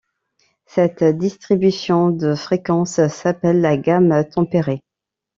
Cette distribution de fréquences s'appelle la gamme tempérée.